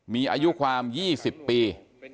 มีอายุความ๒๐ปี